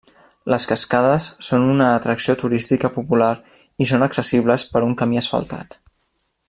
Les cascades són una atracció turística popular i són accessibles per un camí asfaltat.